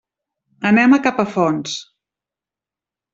Anem a Capafonts.